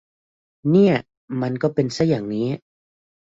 เนี่ย มันก็เป็นซะอย่างนี้